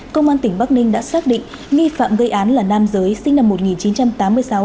công an tỉnh bắc ninh đã xác định nghi phạm gây án là nam giới sinh năm một nghìn chín trăm tám mươi sáu